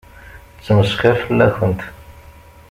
Tettmesxiṛ fell-akent.